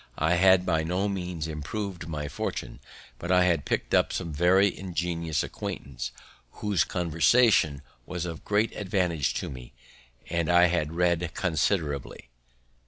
I had by no means improv'd my fortune; but I had picked up some very ingenious acquaintance, whose conversation was of great advantage to me; and I had read considerably.